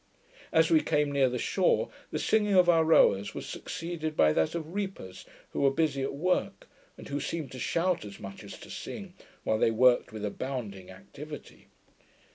As we came near the shore, the singing of our rowers was succeeded by that of reapers, who were busy at work, and who seemed to shout as much as to sing, while they worked with a bounding activity.